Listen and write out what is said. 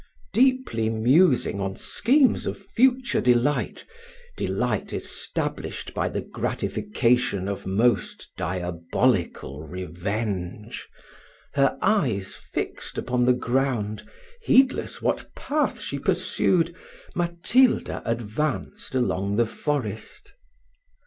Deeply musing on schemes of future delight delight established by the gratification of most diabolical revenge, her eyes fixed upon the ground, heedless what path she pursued, Matilda advanced along the forest.